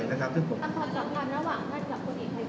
สำหรับการระหว่างท่านกับคนอีกไทยบุญเป็นดีหรือเปล่า